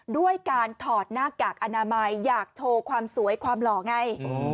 ด้วยการถอดหน้ากากอนามัยอยากโชว์ความสวยความหล่อไง